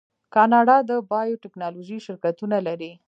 کاناډا د بایو ټیکنالوژۍ شرکتونه لري.